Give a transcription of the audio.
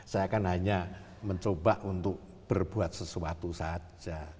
saya kan hanya mencoba untuk berbuat sesuatu saja